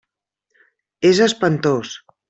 És espantós.